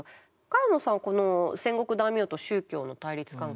萱野さんこの戦国大名と宗教の対立関係